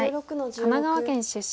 神奈川県出身。